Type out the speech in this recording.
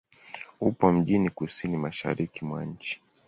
Upo mjini kusini-mashariki mwa nchi.